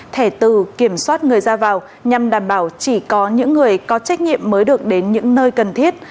thẻ từ kiểm soát người ra vào nhằm đảm bảo chỉ có những người có trách nhiệm mới được đến những nơi cần thiết